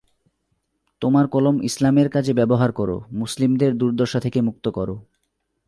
তোমার কলম ইসলামের কাজে ব্যবহার কর, মুসলিমদের দুর্দশা থেকে মুক্ত কর।